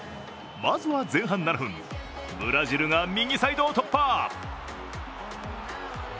まずは前半７分ブラジルが右サイドを突破。